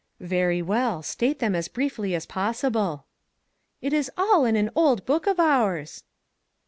" Very well, state them as briefly as possi ble." " It is all in an old book of ours."